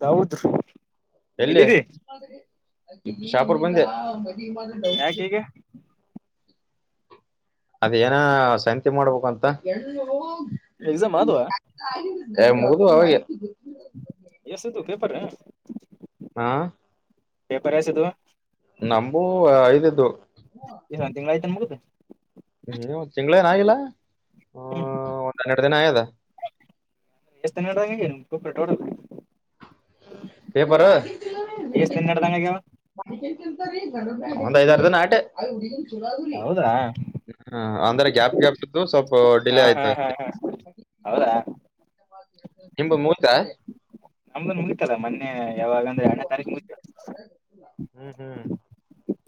ತೌದ್ರ್ ಎಲ್ಲಿ ಶಾಪೂರ್ ಬಂದ್ಯ. ಯಾಕ ಈಗ [inaudible] ಅದ್ ಏನ ಸಂತಿ ಮಾಡ್ಬೇಕಂತ. ಎಗ್ಜಾಮ್ ಆದ್ವಾ. ಏ ಮುಗ್ದು ಅವಾಗೆ. ಪರ. ಹಾ ಪೇಪರ್ ಹೆಸ್ ಇದ್ವು. ನಂಬು ಐದ್ ಇದ್ವು. ಇದ್ ಒಂದ್ ತಿಂಗ್ಳ ಆಯ್ತ ಮುಗ್ದ. ಹ್ಮ ತಿಂಗ್ಳೇನ್ ಆಗಿಲ್ಲ ಹ ಹ್ಮ್ ಒಂದ್ ಹನ್ನೆರ್ಡ್ ದಿನ ಆಯದ. ಎಷ್ಟ [unintelligible] ಓಟ್ ಟೋಟಲ. ಪೇಪರ. ಎಷ್ಟ್ ದಿನ ನಡ್ದಂಗ ಆಗ್ಯಾವ ಒಂದ್ ಐದ್ ಆರ್ ದಿನ ಆಟೆ ಹೌದಾ ಹಾ. ಅಂದ್ರೆ ಗ್ಯಾಪ್ ಗ್ಯಾಪಿದ್ದು ಸ್ವಲ್ಪ ಹಾ ಡಿಲೇ ಆಯ್ತ ಹಾ ಹಾ ಅಷ್ಟೇ. ಹಾ ಹೌದಾ ನಿಂಬ ಮೂತ. ನಮ್ದನ್ ಮುಗಿತಲ್ಲ ಮೊನ್ನೆ ಯಾವಾಗ ಅಂದ್ರೆ ಎರ್ಡನೇ ತಾರೀಕು ಮುಗಿತ. ಹ್ಮ್ ಹ್ಮ್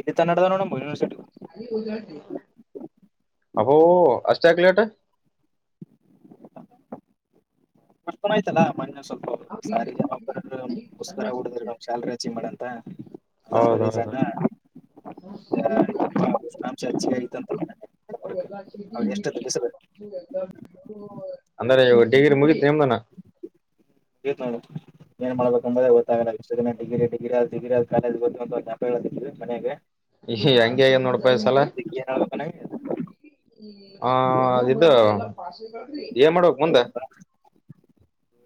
ಇದಿತ ನಡ್ದ ನೋಡಂ. ಐ ಉಜಳ್ ತಿ. ಅಬೋ ಅಷ್ಟ್ ಯಾಕ್ ಲೇಟ. ಕರ್ ಆಯ್ತಲ್ಲ ಮ ಸ್ವಲ್ಪ ಸ್ಯಾಲರಿ ಹೆಚ್ಚಿಗೆ ಮಾಡಿ ಯಾರ್ [unintelligible] [unintelligible] [unintelligible] [unintelligible] ಅಂಶ ಹೆಚ್ಚಿಗೆ ಆಗಿತ್ತಂತ ಅವ್ರ ಎಷ್ಟತ್ತು ಬಿಸರು ಹಂಗರಡಿಗ್ರಿ ಮುಗೀತು [unintelligible] ಮಾಡ್ಬೇಕಂಬ ಗೊತ್ತಾಗಲ್ಲ ಡಿಗ್ರಿಡಿಗಿ ಅ ಡಿಗಿ ಆದ ಕಾಲೇಜ ಗಾ ಸಿವಿ ಮನೆಗೆ ಈ ಹಂಗ ಏನ್ ನೋಡ್ಪ ಸಲಾ ಏನ್ ಹೇಳ್ಬೇಕ್ ಅನ್ನಂಗೆ ಹ ಇದು ಏನ್ ಮಾಡ್ಬೇಕ್ ಮುಂದ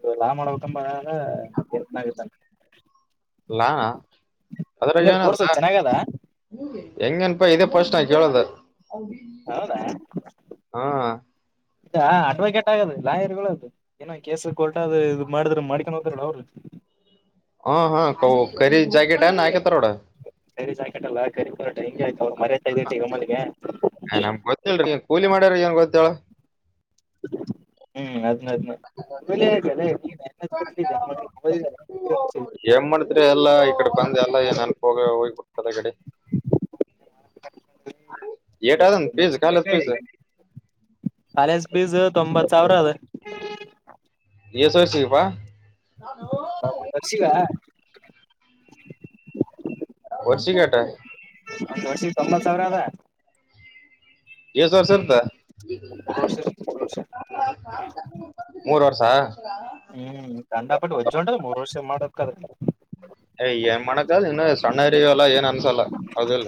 ರ ಲಾ ಮಾಡಬೇಕಂಬ ಅ [unintelligible] ಲಾ ಅದ್ರ ಹಿಂಗದ್ ಏನ ಕೋರ್ಸ್ ಚೆನ್ನಾಗದ ಎಂಗನ್ಪಾ ಇದೇ ಪಸ್ಟ ನ ಕೇಳದ ಹೌದಾ ಹಾ ಅಡ್ವೊಕೇಟ್ ಆಗದು ಲಾಯರ್ ಅದು ಏನೋ ಕೇಸ್ ಕೋರ್ಟ್ ಅ ಇದು ಮಾಡಿದ್ರ ಮಾಡ್ಕೊಂಡ ಹೋದ್ರ ಅವ್ರು ಹಾ ಹಾ ಕ ಕರಿ ಜ್ಯಾಕೆಟ್ ಏನ ಹಾಕ ತಾ ಕರಿ ಜಾಕೆಟಲ್ಲ ಕರಿ ಕೋರ್ಟ್ ಹಿಂಗೆ ಆತಾವ ಮರ್ಯದೆ ಕಳದಿದ್ಯಾ ಹೆಂಗ ಗೊತ್ತಾ ಹ್ಮ್ ಅದ [unintelligible] ಎಲ್ಲ ಈ ಕಡೆ ಬಂದ ಎಲ್ಲ ನೆನಪ ಹೋಗ ಹೋಗಿಬಿಡ್ತದೆಗಡೆ ಎಟ ಅದಂತ ಪಿಜ ಲಕ್ಷ ಕಾಲ ಬೇಕಾ ಪಸ್ ಕಾಲೇಜ್ ಪಿಸು ತೊಂಬತ್ತು ಸಾವಿರ ಅದ ಎಸ ವರ್ಷ ಪ್ಪಾ ಒಂದ್ ವರ್ಷಿಗ ವಸ್ಸಿಗೆಟ್ಟ ವರ್ಷಿದ ತೊಂಬತ್ ಸಾವಿರ ಅದ ಎಷ್ ವರ್ಷದ ಇರ್ತ್ತ ಮೂರ್ ವರ್ಷ ಮೂರ್ ವರ್ಷ ಮೂರ್ ವರ್ಷ [unintelligible] ಹ್ಮ್ ಕಂಡಾಪಟ್ಟು ಒಜ್ಜ ಉಂಟದ ಮೂರ್ ವರ್ಷ ಮಾಡಕ್ಕದ ನ್ ಮಣಕಾ ಇನ್ನು ಸಣ್ಣ ಅರಿ ಎಲ್ಲ ಏನ್ ಅನಸಲ್ಲ ಅದಲ್ಲ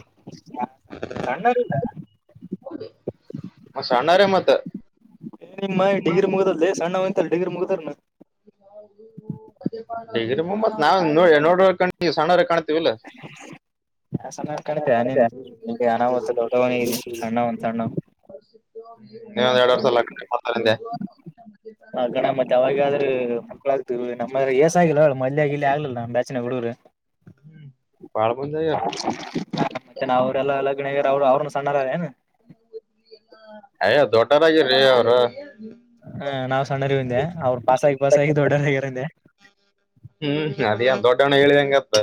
ಸಣ್ಣಾರದ ಮ ಸಣ್ಣಾರೆ ಮತ್ತ ಏ ನಿಮ್ಮ ಡಿಗ್ರಿ ಮುಗುದದಲ್ ದೇ ಸಣ್ಣ್ಯಂತಲ್ಲ ಡಿಗ್ರಿ ಮುಗುದ್ರನ ಹೇಗೀ ಮಮ್ಮತ್ ನಾವ ನೋಡ ಕ ಸಣ್ಣವರ ಕಾಣ ಲ ಆ ಸಣ್ಣರ್ ಸಣವ ಕಾಣ್ತೀಯ ಕಾಣಿ ನೀನು ಇಲ್ಲಿ ಅನಾಹುತ ದೊಡ್ಡವನಿಗೆ ಸಣ್ಣವನ್ ಸಣ್ಣವ್ ನೀವೊಂದ್ ಎರಡ್ [unintelligible] ಆ ಗಣ ಮತ್ತೆ ಅವಾಗ ಆದ್ರೆ ಮಕ್ಕ್ಕಳಾಗ್ತವಿ ನಮ್ಮ್ರೆ ವಏಸ ಆಗಿಲ್ಲ ಮಲ್ಯಗ ಇಲ್ಲಿ ಆಗ್ಲಿಲ್ಲ ನಾನ ಬ್ಯಾಚಿನ ಹುಡುಗರು ಬಾಳ ಮಂದಿ ಮತ್ತೆ ಅವುರೆಲ್ಲ ಲಗಣ ಆಗೆರ್ ಅವ ಸಣ್ಣ ರವರೇನ್ ಅವರ ಹಾ ನಾವ್ ಸಣ್ಣರದೆ ಅವ್ರ ಪಾಸಾಗಿ ಪಾಸಾಗಿ ದೊಡ್ಡರಗ್ಯಾರಂದೆ ಹ್ಮ್ ಅದ ದೊಡ್ಡವಣ್ಣ ಹೇಳಿದಂಗತ್ತ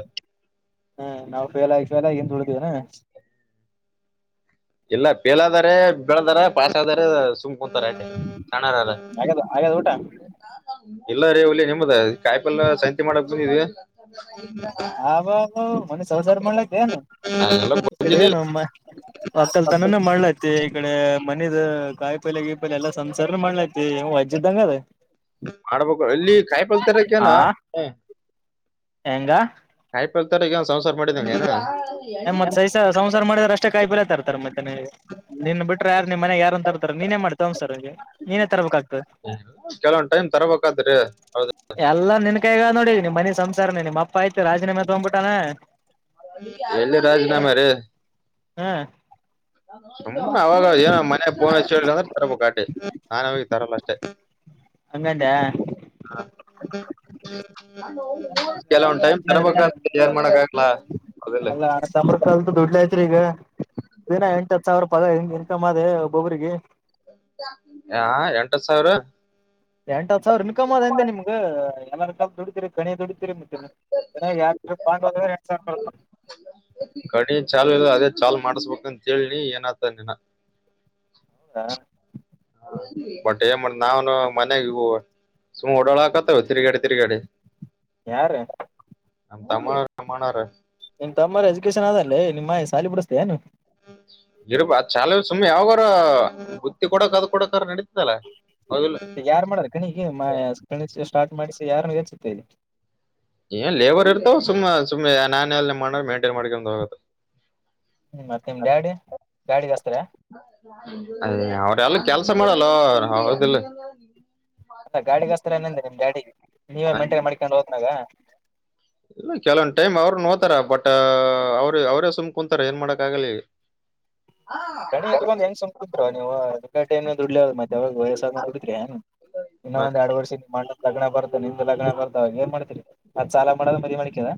ಹ್ಮ ನಾವು ಫೇಲ್ ಆಗ ಫೇಲ್ ಆಗಂತ ಉಳಿದೇವನಾ ಎಲ್ಲ ಪೇಲಾದಾರ ಬೆಳದಾರ ಪಾಸ್ದಾರ ಸುಮ್ ಮುಂತಾರ ಎ ಸಣಾರ ಅಲ್ಲ ಆಗ್ಯದ ಆಗ್ಯದ ಊಟ ಎಲ್ಲ ರೀ ಒಳ್ಳ ನಿಮ್ಮದ ಕಾಯಪೆಲ್ಲ ಸಂತೆ ಮಾಡಕ್ ಬಂದವಿ ಹ ವ ಮನೆ ಸೌದಾರ ಮಾಡಲ ದೆನು ನಾವೆಲ್ಲ ಈ ಕಡೆ ಏ ಬಂದಿದ್ವಿ ನಮ್ಮ ಒಕ್ಕಲ್ ತನ ಮಣ ಐತಿ ಈ ಕಡೆ ಮನಿದ ಕಾಯಿ ಪಲ್ ಗೀ ಪೈಲ್ ಎಲ್ಲ ಸಂಸಾರ ಮಾಡಲೈತಿ ವಜ್ಜದ್ದಂಗ ಅದ ಮಾಡ್ಬೇಕು ಎಲ್ಲಿ ಆ ಕಾಯಪಲ್ತಾರಕೆನೊ ಹೆಂಗ ಇಪ್ಪಲ್ ತರ ಈಗ ಒ್ಸಂಸಾರ ಮಾಡಿದಂಗೆಯಾ ಮತ್ ಸಸ ಸಂಸಾರ ಮಾಡಿದ್ರ ಅಷ್ಟೇ ಕಾಯಿ ಪಿಲ ತರ್ತಾರೆ ಮತ್ತೆ ನಿನ್ ಬಿಟ್ರೆ ಯಾರು ನಿನ್ ಮನ್ಯಾಗ ಯಾರ ಅಂರ್ತಾರೆ ನೀನೇ ಮಾಡ್ತವನ್ ಸರ್ ಅವಗೆ ನೀನೇ ತರಬೇಕಾಗ್ತದೆ ಕೆಲವೊಂದು ಟೈಮ್ ತರಬಕಾಗ್ತೈತಿ ಹೌದಿಲ್ಲ ಈಗ ನೋಡ ನಿಮ್ಮ ಮನಿ ಸಂಸಾರನ ನಿಮ್ಮ ಅಪ್ಪ ಆಯ್ತು ರಾಜೀನಾಮೆ ತಗ್ಬಿಟ್ಟಾನಾ ಎಲ್ಲಿ ರಾಜೀನಾಮೆ ರೀ ಹ್ಮ ಸು ಅವಾಗ ಏನ ಮನ್ ಪೋನ್ ಹೇಳ ಅಂದ್ರೆ ತರಬೇಕುಕ್ಟಿ ನಾನನ್ ಅವಾಗ ತರಲ್ಲ ಅಷ್ಟೇ ಹಂಗಂದ ಕೆಲವೊಂದು ಟೈಮ್ ತರಬೇಕಾಗ್ತೈತಿ ಏನು ಮಾಡಕ್ಕಾಗಲ್ಲ ಅಲ್ಲ ಅಣ್ಣತಮ್ಮೆಂದ್ರ ದುಡ್ಲಯತ್ರಿ ಈಗ ದಿನ ಎಂಟತ್ ಸಾವಿರ ಪಗರ ಹೆಂಗ ಹ ಎಂಟತ್ತು ಸಾವಿರ ಎಂಟ ಸಾವಿರ ಇನ್ಕಮ್ ಅದ ಎಂತೆ ನಿಮಗೆ ಎಲ್ಲ ರ ದುಡಿದೀರಿ ಕಣಿ ದುಡ ಎಂಟ್ ಸಾವಿರ ಮಾಡ ಕಡಿ ಚಾಲು ಇಲ್ಲ ಚಾಲು ಮಾಡಸ್ಬೇಕ ಅಂತೇಳನಿ ಏನತ ನಿಿನ ಹೌದಾ ಬಟ್ ಏನ್ ಮಾಡ ನಾವ ಮನೆಗ ಸು್ ಓಡಾಳ ಹಕತ್ತವ ತಿರ್ಗಾಡೆ ತಿರ್ಗಾಡೆ ಯಾರ ಅ ತಮ ಮನರ ನಿನ್ ತಮ್ಮರ ಎಜುಕೇಶನ್ ಅದಲ್ಲೇ ನಿಮ್ಮ ಸಾಲಿ ಬಿಡಿಸಸ್ತೇ ಏನು ಗರಪ್ಪ ಚಾಲ ಸುಮ್ಮ ಯಾವಾಗರ ಬುತ್ತಿ ಕೊಡಕ್ ಅದು ಕೊಡಕ ನಡತದಲ್ಲ ಹದ ಯಾರ್ ಮಾಡಾರ ಯಾರನ್ನು ಹೆಸುತ್ತೆ ಏ ಲೇಬರ್ ಇರ್ತಾವ ಸುಮ್ಮ ಸುಮ್ಮ್ ನಾನ ಎಲ್ಲ ಮಾಡ ಮೇಂಟೈನ್ ಮಾಡ್ಕೊ ಹೋಗ ಮತ್ತೆ ನಿಮ್ ಡ್ಯಾಡಿ ಗಾಡಿಿಗೆ ಅದೇ ಅವ್ರ ಅಲ್ಲ ಕೆಲ್ಸ ಮಾಡಲ್ಲ ಆದಿಲ್ಲ ಅ ಗಾಡಿಿಗೆ ಹಸ್ತ್ರ ಏನಂದ ನಿಮ್ ಡಾಡಿಿಗೆ ನೀವೇ ಮೇಂಟೈನ್ ಮಾಡ್ಕೊಂಡು ಹೋದ್ರಾಗ ಇಲ್ಲ ಕೆಲವೊಂದು ಟೈಮ್ ಅವ್ರ ನೋಡ್ತಾರ ಬಟ್ ಅವರು ಅವ್ರೇ ಸುಮ್ ಕುೂಂತಾರ ಏನ್ ಮಾಡಾಕ್ ಆಗಲಿ ರಣಿ ಇಟ್ಟಕೊಂಡ್ ಹೆಂಗ ಸುಮಕ ಕುಂವ ನೀವುಟ ದುಡ್ಲದ ಮತ್ತೆ ಯವಾಗ ವಯಸ್ಸಾದ ದುಡಿದ್ರರಿ ಏನ್ ಇನ್ನೊ ಒಂದ ಎರಡ್ ವರ್ಷ ನೀ ಮಾಡಲ ಲಗ್ನ ಬರ್ದ ನಿಂದ ಲಗ್ನ ಬರ್ದವ ಏನ್ ಮಾಡ್ತೀರಿ ನ ಸಾಲ ಮಾಡದ ಮದಿ ಮಾಡಕ್ಯದ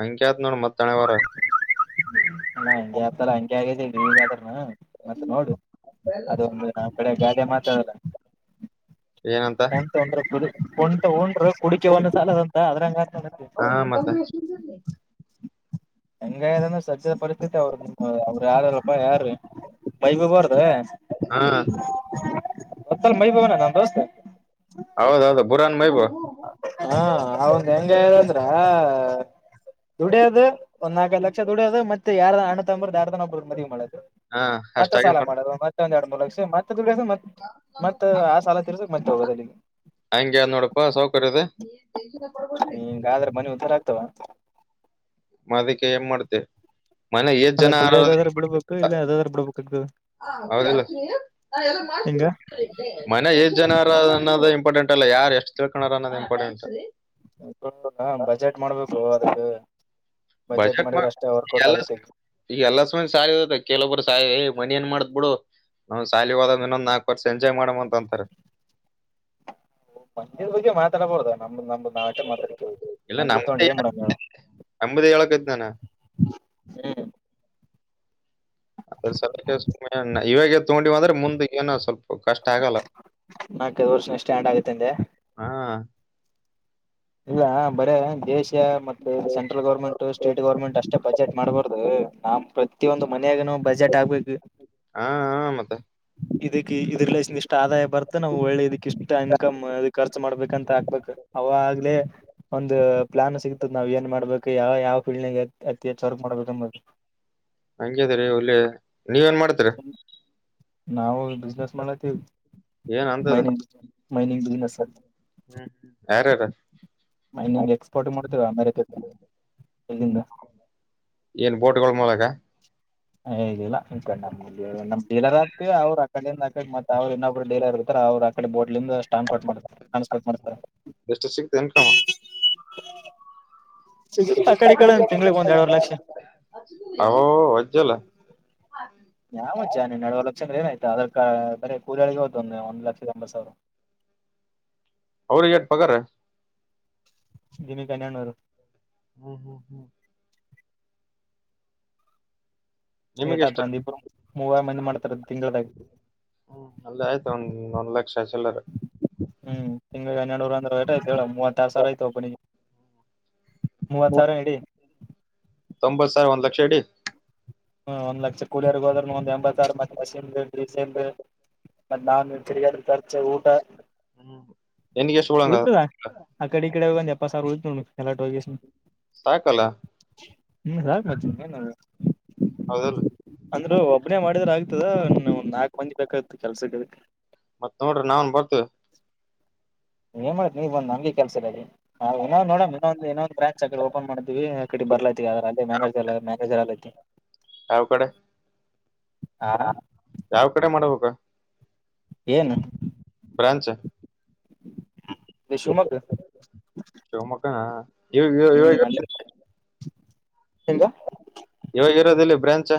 ಹಂಕ್ಯಾತ್ ನೋಡ ಮತ್ತ್ ತಣೆವಾರ ನಾ ಹಂಗೆ ಆಗ್ತಲ್ಲ ಹಂಗೆ ಆಗೇನು ಮತ್ತತ್ ನೋಡು ಅದೊಂದು ನ ಕಳ ಗಾದೆ ಮಾತಾಡಲ್ಲ ಯ ಹೊಂಟ ಉ್ರ ಕು ಹೊಂಟ ಹನ್ರು ಕುಡಿಕೆ ಒಂದು ಸಾಲದಂತ ಅದ್ರಂಗ ಹಾ ಮತ್ತೆ ಹೆಂಗದಂದ್ರೆ ಸಜ್ಜದ ಪರಿಸ್ಥಿತಿ ಅವರು ಅವ್ರು ಯಾರ ಬ ಯಾರು ಬೈ ಬಬಾರದ ಹಾ ಮತ್ತಲ್ ಮೈ ಬವನ ನಮ್ಮ ದೋಸ್ತೆ ಹೌದೌದು ಬುರ ಹಾ ಅವಂದ ಹೆಂಗದಂದ್ರ ದುಡಿಯೋದ ಒಂದ ನಾಲ್ಕ ಲಕ್ಷ ದುಡೋದು ಮತ್ತ ಯಾರ ಅಣ್ಣ ತಂಬ ಯಾರ ತನಬ ಮದ ಮಾಡದು ಹಾ ಮತ್ತೆ ಅಷ್ಟಾಗಿ ಸಾಲ ನೋಡ್ ಮಾಡದು ಮತ್ತೆ ಒಂದ ಎರಡು ಮೂಲ ಮತ್ತೆದು ಮತ್ತತ್ ಆ ಸಾಲ ತಿರ್ಸಕ್ ಮತ್ತೆ ಹೋಗೋದ ಅಗೆ ಹಂಗ ನೋಡಪಾ ಸೌಕರ್ಯದ ತ್ತ ಮದ ಕ ಎಮ ಮಾಡತ ಅಲ್ಲ ದುಡಿಯದಾದ್ರೆ ಬಿಡ್ಬೇಕು ಇಲ್ಲ ಅದಾದ್ರೂ ಬಿಡ್ಬೇಕ್ಆಗ್ತದ. ಹೌದಿಲ್ಲ ಹೆಂಗ ಮನೆ ಏಷ್ ಜನರ ಅನ್ನದೆ ಇ ಇಂಪಾರ್ಟೆಂಟ್ ಅಲ್ಲ ಯರ್ ಎಷ್ಟು ತಿಳ್ಕೋಡರೆ ಅನ್ನೋದೆ ಇಂಪಾರ್ಟೆಂಟು. ಬಜೆಟ್ ಮಾಡ್ಬೇಕು ಅದಕ್ಕ. ಬಜೆಟ್ ಮ ಈಗ ಎಲ್ಲ ಸಯೊದೆ ಕೆಲಒಬ್ರು ಸಯಾ ಎ ಮನಿ ಏನ್ ಮಾಡ್ತ್ - ಬಿಡು ಅವನ್ ಶಾಲಿ ಹೋದ ಇನ್ನೊಂದ್ ನಾಲ್ಕು ವರ್ಷ ಎಂಜಾಯ್ ಮಾಡಮ ಅಂತ ಅಂತಾರೆ. ಪ್ಯಂದ್ಯದ್ ಬಗ್ಗೆ ಮಾತಾಡ್ಬಹುದ ನಮ್ದು ನಮ್ದು. ನಾ ಆಟೆ [unintelligible] ಇಲ್ಲ ಪಂದ್ಯ ತಗೊಂಡ್ ನಮ್ದೇ ಏನ್ ಮಾಡನ್ಹೇಳು. [unintelligible] [unintelligible] ಇವಾಗ್ ಗೆದ್ ತಗೊಂಡಿವಿ ಅಂದ್ರೆ ಮುಂದೆ ಏನ ಸ್ವಲ್ಪ್. ಕಷ್ಟ ಆಗಲ್ಲ ನಾಲ್ಕೈದು ವರ್ಷ ಸ್ಟ್ಯಾಂಡ್ ಆಗತ್ತಂದೆ ಹಾ. ಇಲ್ಲ ಬರೇ ದೇಶ ಮತ್ತೆ ಸೆಂಟ್ರಲ್ ಗೌರ್ಮೆಂಟ್ ಸ್ಟೇಟ್ ಗೌರ್ಮೆಂಟ್ ಅಷ್ಟೇ ಬಜೆಟ್ ಮಾಡ್ಬಾರ್ದು. ನಾ ಪ್ರತಿಯೊಂದು ಮನಿ - - ಮನ್ಯಾಗ ಬಜೆಟ್ ಆಗ್ಬೇಕು ಹಾ ಹಾ ಮತ್ತೆ ಇರಿಕ್ಕೆ ಇರ್ ರಿಲೆಷನ್ ಎಷ್- ಎಷ್ಟ್ ಆದಾಯ ಬರ್ತ ನಾವು ಒಳ್ಳೆ ಇದಕ್ ಇಷ್ಟ ಇನ್ಕಮ್ ಇದ ಖರ್ಚು ಮಾಡ್ಬೇಕಂತ ಹಾಕ್ಬೇಕು ಅವಾಗ್ಲೇ. ಒಂದು ಪ್ಲಾನ್ ಸಿಗುತದ್ ನಾವ್ ಏನ್ ಮಾಡ್ಬೇಕು ಯಾವ ಯಾವ ಫೀಲ್ಡ್ ಅತಿ ಹೆಚ್ಚು ವರ್ಕ್ ಮಾಡ್ಬೇಕನ್ಂಬೋದು. ಹಂಗೆ ದ್ರಿ ರೀ ಒಳ್ಳೆ ನೀವೇನ್ ಮಾಡ್ತೀರಾ. ನಾವು ಬಿಸ್ನೆಸ್ ಮಾಡತೀವಿ. ಏನ್ ಅಂತದ ಮೈನಿಂಗ್ ಮೈನಿಂಗ್ ಬಿಸ್ನೆಸ್ ಹ. ಹ್ಮ್ ಯಾರ್ಯಾರ ಮೈನಿಂಗ್ ಎಕ್ಸ್ಪೋರ್ಟ್ ಮಾಡ್ತವ ಅಮೇರಿಕ್ಕೆ ಇಲ್ಲಿಂದ. [unintelligible] ಬೇಕ ಎ ಇಲ್ಲ [unintelligible] ನಮ್ ಡೀಲರ್ ಹಕ್ತಿವ್ ಅವ್ರು ಅಕಡಿಂದ್ ಅಕಡಿಂದ್ ಮತ್ ಅವ್ರು ಇನ್ನೊಬ್ರು ಡೀಲರ್ ಇರ್ತಾ ಅವರು ಆ ಕಡೆ ಬೋಟ್ಲಿಂದ ಸ್ಟಾನ್ಪೋರ್ಟ್ ಮಾಡ ಸಾನ್ಸ್ಪೋರ್ಟ್ ಮಾಡ್ಸ್ತಾರ. ಎಷ್ಟು ಸಿಗ್ತ ಇನ್ಕಮ್ ಈ ಕಡೆ ತಿಂಗಳಿಗೆ ಒಂದ್ ಎರಡುವರೆ ಲಕ್ಷ ಅವೋ ಅಜ್ಜಲ್ಲ. ಕ್ಷ ಏನಾಯ್ತು ಅದರ್ಕ ಬೇರೆ ಕೂಲ್ ಆಳಿಗೆ ಹೋಯ್ತ್ ಒಂದ ಒಂದ್ ಲಕ್ಷ ರ್ ಎಂಬತ್ ಸಾವ್ರ. ಅವ್ರಿಗ್ ಯಾಕ್ ಪಗಾರ [unintelligible] ಹ್ಮ್ ಹ್ಮ್ ಹ್ಮ್ ನಿಮಗೆ ಎಷ್ಟು ಏಟಾಯ್ತು ಒಂದಿಬ್ರು ಮೂವಾರ್ ಮಂದಿ ಮಾಡ್ತಾರ ತಿಂಗಳದಾಗೆ. ಹ್ಮ್ ಅಲ್ಲೇ ಆಯ್ತು ಒಂದ್ ಒಂದ್ ಲಕ್ಷ ಚಿಲ್ಲರೆ. ತಿಂಗ್ಳುಗೆ ಹನ್ನೆಡ್ನೂರ್ ಅಂದ್ರ ಎಟ್ ಆಯ್ತ್ ಹೇಳು ಮೂವತ್ ಆರು ಸಾವಿರ ಆಯ್ತು ಒಬ್ನಿಗೆ. ತೊಂಬತ್ ಸಾವ್ರ ಒಂದ್ ಲಕ್ಷ ಇಡಿ. ಹ್ಮ ಒಂದ್ ಲಕ್ಷ ಕೂಲಿಯರ್ ಹೋದ್ರನು ಒಂದ ಎಂಬತ್ ಸಾವ್ರ ಮತ್ - ಮಷಿನ್ ಬೆಲೆ ಡೀಸೆಲ್ ಬೆಲೆ ಮತ್ತೆ ನಾನು ತಿರಿಗಾಡ ಖರ್ಚ ಊಟ. ಹ್ಮ್ ನಿನಿಗ್ ಎಷ್ಟ್ ಹುಳ್ದಂಗ - - ಇಕಡೆ ಅಂದ್ ಎಪ್ಪತ್ ಸಾವ್ರ ಉಳಿತ್ ನೋಡ್ ಎಲ್ಲಾ [unintelligible] ಸಾಕಲ್ಲ ಹ್ಮ್ [unintelligible] ಹೌದಲ್ಲ ಅಂದ್ರು ಒಬ್ನೇ ಮಾಡಿದ್ರ ಆಗ್ತದ ಒಂದ್ ನಾಕ್ ಮಂದಿ. ಬೇಕಾಗಿತ್ತು ಕೆಲ್ಸಕ್ಕೆ. ಮತ್ತ್ ನೋಡ್ರಿ ನಾವನ್ ಬರ್ತವಿ. ಏನ್ ಮಾಡ್ತ್ ನೀವ್ ಬಂದ್ ನಮ್ಗೆ ಕೆಲ್ಸಯಿಲ್ಲ ಇಲ್ಲಿ ನೋಡಣ ಇನ್ನೊಂದ ಇನೊಂದ ಬ್ರ್ಯಾಂಚ್ ಆಕಡೆ ಓಪನ್ ಮಾಡೀವಿ. ಬರ್ಲೈತಿ ಆದ್ರ ಅದೇ ಮ್ಯಾನೇಜರ್ ಮ್ಯಾನೇಜರ್ ಆಲೈತಿ. ಯಾವ್ ಕಡೆ ಹಾ ಹ ಯಾವ್ ಕಡೆ ಮಾಡ್ಬೇಕು. ಏನು ಬ್ರ್ಯಾಂಚ್ ಇ ಶಿವಮೊಗ್ಗ ಶಿವಮೊಗ್ಗನ ಇ ಹ್ಮ್ ಇ ಅಲ್ಲೇ ಹಿಂಗ ಇವಾಗ್ ಇರೋದಲ್ಲಿ ಬ್ರಾಂಚ.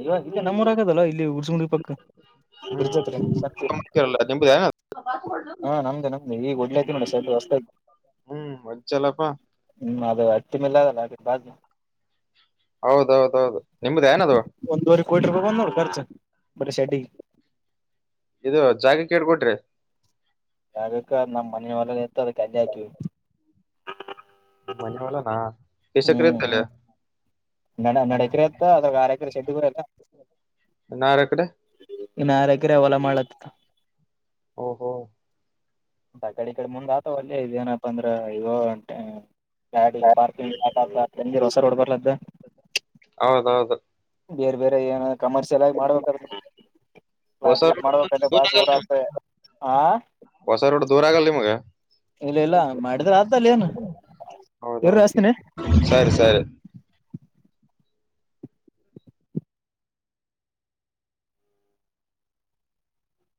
ಇವಗ್ ಇಲ್ಲೆ ನಮ್ಮರ ಆಗದಲ್ಲೂ ಇಲ್- [unintelligible] ಪಕ್ಕ ಬ್ರಿಡ್ಜ್ ಅತ್ರ ಸತ್ಯ ಹ್ಮ್ಲ್ಲ ನಿಮ್ದ ಹಾ ನಮ್ದೇ ನಮ್ದೇ ಈಗ ಒಡ್ಲತಿ ನೋಡ [unintelligible] ಹ್ಮ್ ಮಜ್ಜಲ್ಲಪ್ಪಾ ಹ್ಮ್ ಅದು ಹಟ್ಟಿ ಮೇಲ [unintelligible] ಹೌದೌದೌದು ನಿಮ್ದೆನದು [unintelligible] ಕರ್ಚು ಬರೀ ಶೆಡ್ಡಿಗೆ ಇದು ಜಾಗುಕ್ಕೆಷ್ಟ್ ಕೊಟ್ರೀ [unintelligible] ನಮ್ಮ ಮನೆ [unintelligible] ಮನೆವಲ ನ ಹ್ಮ್ [unintelligible] ನಡ ನಡ ಎಕರೆ ಅತ್ತ ಅದರ ಎಕರೆ ಶೆಡ್ಗರೆ ಎಲ್ಲ ಹದಿನಾರು ಎಕರೆ ಇನ್ ಆರ್ ಯೆಕ್ರೆ ಹೊಲ ಮಾಡ್ಲತ್ತ ಹೊ ಹೋ ಅ ಕಡೆ ಈ ಕಡೆ ಮುಂದೆ ಆತವ ಒಲ್ಲೆ ಇದೇನಪ್ಪ ಅಂದ್ರ ಇಗೋಂಟ ಗಾಡಿ ಪಾರ್ಕಿಂಗ್ [unintelligible] ಹೊಸರ [unintelligible] ಹೌದೌದು ಏನ ಕಮರ್ಷಿಯಲ್ ಆಗ್ ಹೊಸ ರೋಡ್ ದೂರ ಆಗಲ್ಲ [unintelligible] [unintelligible] ಹಾ ದೂರಾಗಲ್ಲ್ ನಿಮ್ಗ ಇಲ್ಲ ಇಲ್ಲ ಮಾಡಿದ್ರೆ ಹೌದೌದು [unintelligible] ಏನು ಸರಿ ಸರಿ [unintelligible]